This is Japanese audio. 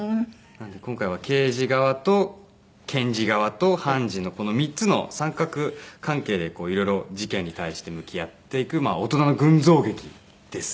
なんで今回は刑事側と検事側と判事のこの３つの三角関係で色々事件に対して向き合っていく大人の群像劇ですね。